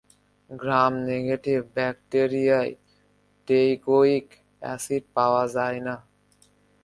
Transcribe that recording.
Gram-negative ব্যাকটেরিয়ায় টেইকোয়িক acid পাওয়া যায় না।